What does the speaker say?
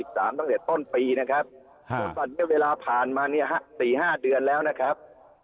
ตั้งแต่ต้นปีนะครับจนตอนนี้เวลาผ่านมาเนี่ยฮะ๔๕เดือนแล้วนะครับ